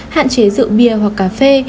hạn chế rượu bia hoặc cà phê